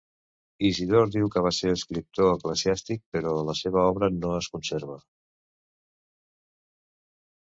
Isidor diu que va ser escriptor eclesiàstic, però la seva obra no es conserva.